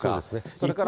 それから。